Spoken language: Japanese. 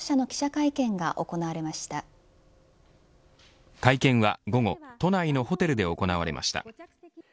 会見は午後都内のホテルで行われました。